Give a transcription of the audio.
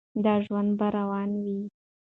دا ژوند به روان وي.